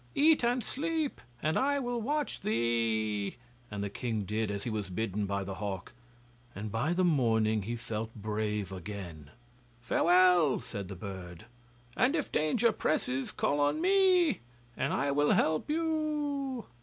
Eat and sleep and I will watch thee,' and the king did as he was bidden by the hawk, and by the morning he felt brave again. 'Farewell,' said the bird, 'and if danger presses call to me, and I will help you.